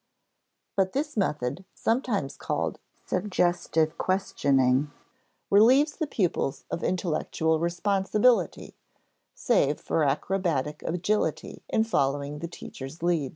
But this method (sometimes called "suggestive questioning") relieves the pupils of intellectual responsibility, save for acrobatic agility in following the teacher's lead.